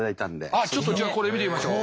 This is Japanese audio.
あっちょっとじゃあこれ見てみましょう。